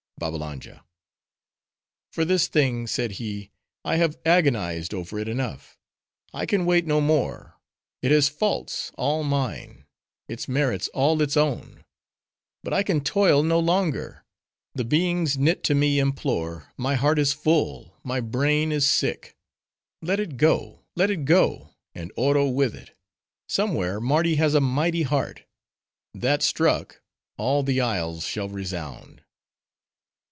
BABBALANJA—"For this thing," said he, "I have agonized over it enough.—I can wait no more. It has faults—all mine;—its merits all its own;—but I can toil no longer. The beings knit to me implore; my heart is full; my brain is sick. Let it go—let it go—and Oro with it. Somewhere Mardi has a mighty heart— that struck, all the isles shall resound!"